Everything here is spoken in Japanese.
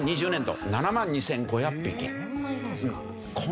２０２０年度７万２５００匹。